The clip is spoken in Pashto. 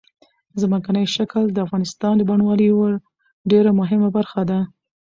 ځمکنی شکل د افغانستان د بڼوالۍ یوه ډېره مهمه برخه ده.